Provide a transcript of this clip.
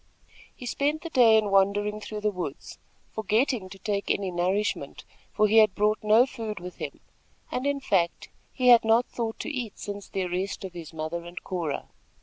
He spent the day in wandering through the woods, forgetting to take any nourishment, for he had brought no food with him, and, in fact, he had not thought to eat since the arrest of his mother and Cora.